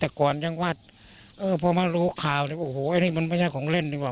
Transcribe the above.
แต่ก่อนยังว่าพอมารู้ข่าวโอ้โหอันนี้มันไม่ใช่ของเล่นดีกว่า